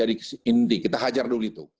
inti kita hajar dulu itu